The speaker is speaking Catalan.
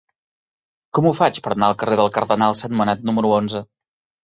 Com ho faig per anar al carrer del Cardenal Sentmenat número onze?